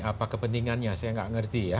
apa kepentingannya saya nggak ngerti ya